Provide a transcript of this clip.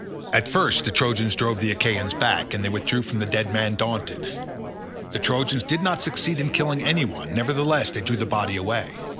At first the Trojans drove the Achaeans back, and they withdrew from the dead man daunted. The Trojans did not succeed in killing any one, nevertheless they drew the body away.